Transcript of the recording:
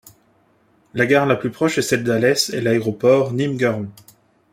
La gare la plus proche est celle d'Alès et l'aéroport, Nîmes-Garons.